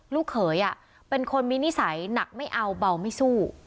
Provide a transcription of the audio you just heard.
ลูกเขยเป็นคนมีนิสัยหนักไม่เอาเบาไม่สู้